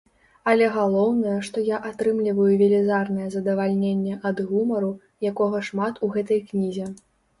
Але галоўнае, што я атрымліваю велізарнае задавальненне ад гумару, якога шмат у гэтай кнізе.